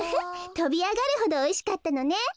とびあがるほどおいしかったのね。